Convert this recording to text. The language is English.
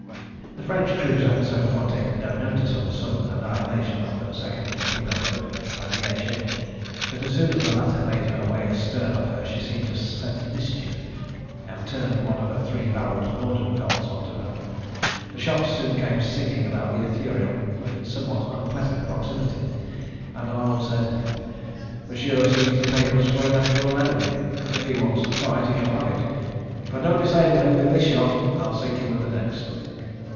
The French cruiser had so far taken no notice of the sudden annihilation of her second torpedo boat by the air ship, but as soon as the latter made her way astern of her she seemed to scent mischief, and turned one of her three barrelled Nordenfeldts on to her. The shots soon came singing about the Ithuriel in somewhat unpleasant proximity, and Arnold said "Monsieur seems to take us for a natural enemy, and if he wants fight he shall have it. If I don't disable him with this shot I'll sink him with the next."